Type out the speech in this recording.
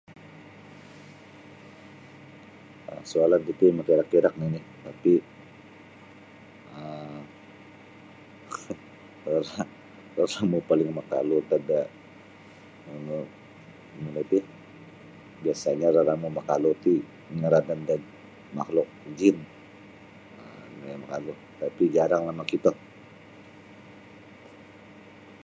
um Soalan titi maka irak irak nini, tapi um kalau semua paling makalu tad da nunu melebih biasanya makhluk makalu tih ngaran tad makhluk jin um makalu tapi jarang lah mokito.